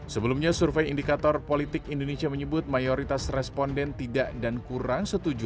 sebelumnya survei indikator politik indonesia menyebut mayoritas responden tidak dan kurang setuju